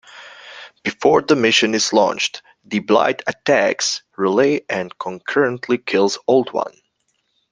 Before the mission is launched, the Blight attacks Relay and concurrently kills Old One.